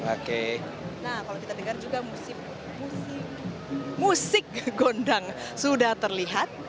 oke nah kalau kita dengar juga musik gondang sudah terlihat